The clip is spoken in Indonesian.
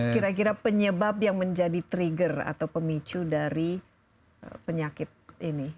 kira kira penyebab yang menjadi trigger atau pemicu dari penyakit ini